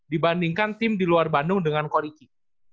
dibandingkan tim di luar bandung dengan koriki